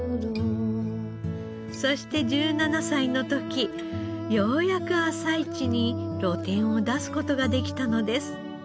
そして１７歳の時ようやく朝市に露店を出す事ができたのです。